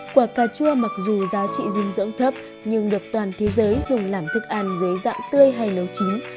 quả cà chua mặc dù giá trị dinh dưỡng thấp nhưng được toàn thế giới dùng làm thức ăn dưới dạng tươi hay nấu chín